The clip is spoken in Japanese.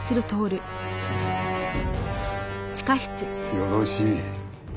よろしい。